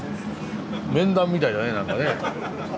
面談みたいだね何かね。